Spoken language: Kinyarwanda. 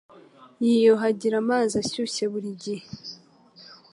Yiyuhagira amazi ashyushye burigihe.